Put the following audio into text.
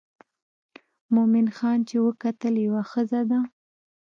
مومن خان چې وکتل یوه ښځه ده.